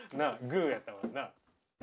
グーやったもんな。